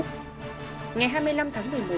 ngày hai mươi năm tháng một mươi một